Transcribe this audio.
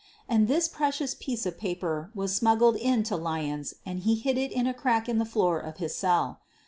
And this precious piece of paper was smuggled in to Lyons and he hid it in a crack in the floor of his cell.